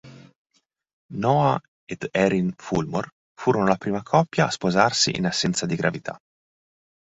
Noah ed Erin Fulmor furono la prima coppia a sposarsi in assenza di gravità.